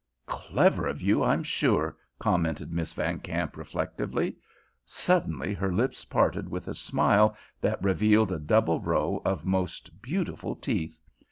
"Clever of you, I'm sure," commented Miss Van Kamp, reflectively. Suddenly her lips parted with a smile that revealed a double row of most beautiful teeth.